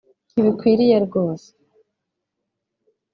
Ntibikwiriye rwose